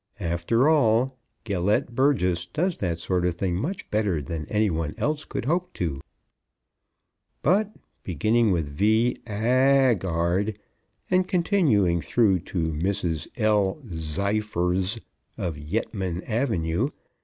After all, Gelett Burgess does that sort of thing much better than any one else could hope to. But, beginning with V. Aagaard and continuing through to Mrs. L. Zyfers of Yettman Ave.